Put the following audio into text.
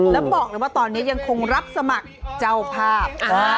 แล้วบอกเลยว่าตอนนี้ยังคงรับสมัครเจ้าภาพ